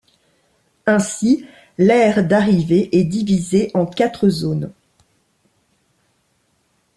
Ainsi, l'aire d'arrivée est divisé en quatre zones.